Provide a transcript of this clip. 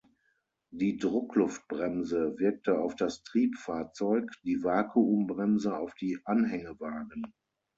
Die Druckluftbremse wirkte auf das Triebfahrzeug, die Vakuumbremse auf die Anhängewagen.